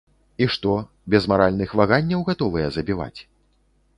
І што, без маральных ваганняў гатовыя забіваць?